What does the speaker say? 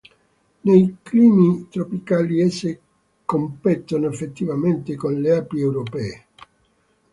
Nei climi tropicali esse competono effettivamente con le api europee.